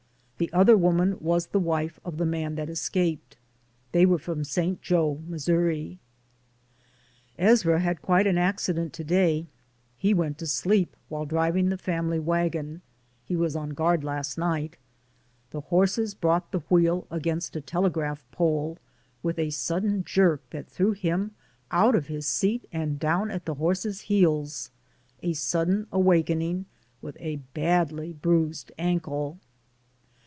The other woman was the wife of the man that escaped. They were from St. Joe, Missouri. Ezra met with quite an accident to day; he went to sleep while driving the family wagon — he was on guard last night — the horses brought the wheel against a telegraph pole with a sudden jerk that threw him out of his seat and down at the horses' heels — a sudden awakening — with a badly bruised ankle.